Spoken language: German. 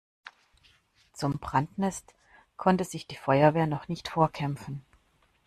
Zum Brandnest konnte sich die Feuerwehr noch nicht vorkämpfen.